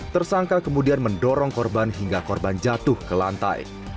tersangka kemudian mendorong korban hingga korban jatuh ke lantai